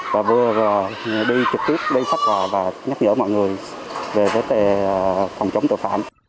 và vừa đi trực tiếp đi phát hòa và nhắc nhở mọi người về phòng chống tội phạm